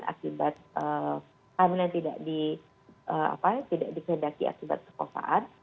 akibat hamilan tidak dikendaki akibat kekosaan